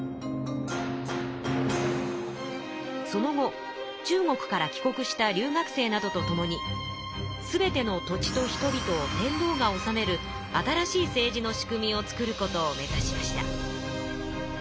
その後中国から帰国した留学生などとともにすべての土地と人びとを天皇が治める新しい政治の仕組みを作ることを目指しました。